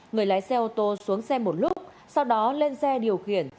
người lái xe ô tô xuống xe một lúc sau đó lên xe điều khiển